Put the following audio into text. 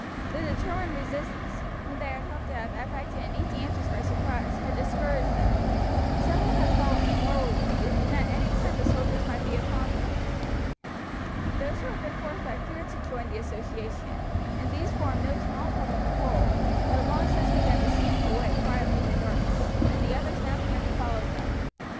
The determined resistance, when they had hoped to have effected an easy entrance by surprise, had discouraged them; several had fallen and more were wounded, and at any time the soldiers might be upon them. Those who had been forced by fear to join the association and these formed no small part of the whole had long since begun to slink away quietly in the darkness, and the others now began to follow them.